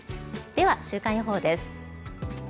では、週間予報です。